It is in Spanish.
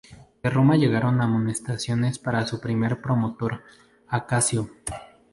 De Roma llegaron amonestaciones para su primer promotor, Acacio.